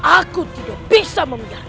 aku tidak bisa membiarkannya